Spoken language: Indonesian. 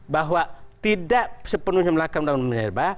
bahwa tidak sepenuhnya melakukan undang undang irba